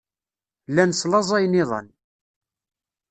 Llan slaẓayen iḍan.